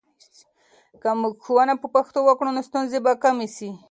که موږ ښوونه په پښتو وکړو، نو ستونزې به کمې سي.